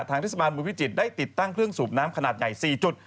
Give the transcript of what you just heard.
เทศบาลเมืองพิจิตรได้ติดตั้งเครื่องสูบน้ำขนาดใหญ่๔จุด